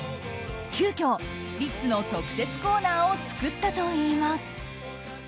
急きょ、スピッツの特設コーナーを作ったといいます。